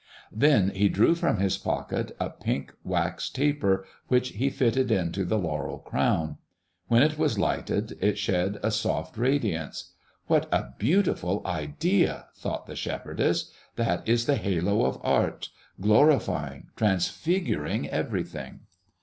Then he drew from his pocket a pink wax taper, which he fitted into the laurel crown. When it was lighted it shed a soft radiance. "What a beautiful idea!" thought the shepherdess; "that is the halo of art, glorifying, transfiguring everything."